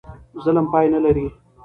ظلم پای نه لري.